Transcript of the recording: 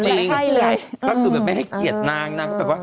จริงก็คือแบบไม่ให้เกียรตินางนาง